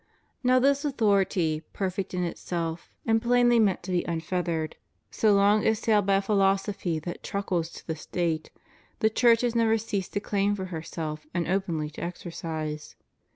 Now this authority, perfect in itself, and plainly meant to be unfettered, so long assailed by a philosophy that truckles to the State, the Church has never ceased to claim for herself and openly to exercise.